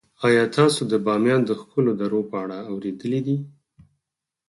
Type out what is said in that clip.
آیا تاسو د بامیان د ښکلو درو په اړه اوریدلي دي؟